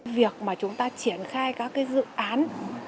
việc mà chúng ta triển khai các cái dự án